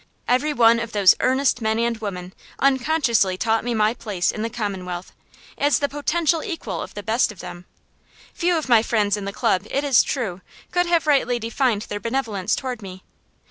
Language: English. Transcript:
Every one of those earnest men and women unconsciously taught me my place in the Commonwealth, as the potential equal of the best of them. Few of my friends in the club, it is true, could have rightly defined their benevolence toward me.